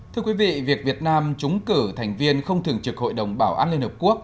thưa quý vị việc việt nam trúng cử thành viên không thường trực hội đồng bảo an liên hợp quốc